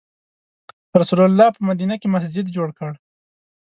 رسول الله په مدینه کې مسجد جوړ کړ.